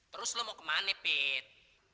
terus lo mau ke mana pit